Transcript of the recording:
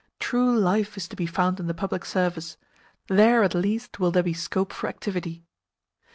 True life is to be found in the Public Service. There at least will there be scope for activity."